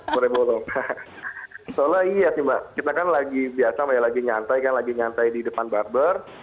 soalnya soalnya iya sih mbak kita kan lagi biasa mbak ya lagi nyantai kan lagi nyantai di depan barber